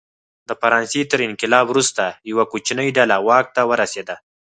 د فرانسې تر انقلاب وروسته یوه کوچنۍ ډله واک ته ورسېده.